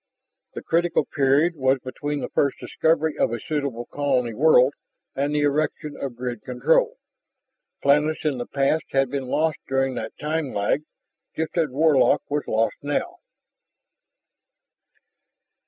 The critical period was between the first discovery of a suitable colony world and the erection of grid control. Planets in the past had been lost during that time lag, just as Warlock was lost now.